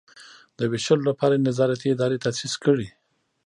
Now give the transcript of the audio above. د ویشلو لپاره یې نظارتي ادارې تاسیس کړي.